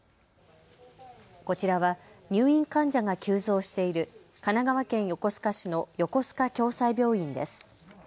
こちらは入院患者が急増している神奈川県横須賀市の横須賀共済病院です。